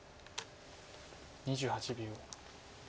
２８秒。